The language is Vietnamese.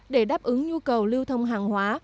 để đáp ứng nhu cầu lưu thông hàng hóa